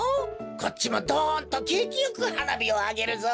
こっちもドンとけいきよくはなびをあげるぞ！